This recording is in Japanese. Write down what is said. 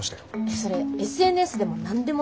それＳＮＳでも何でもないから。